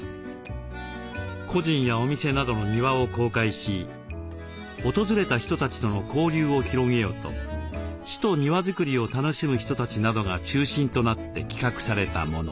個人やお店などの庭を公開し訪れた人たちとの交流を広げようと市と庭づくりを楽しむ人たちなどが中心となって企画されたもの。